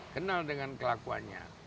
kenal dengan kelakuannya